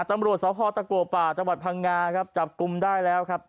ตำรวจสพตะกัวป่าจังหวัดพังงาครับจับกลุ่มได้แล้วครับ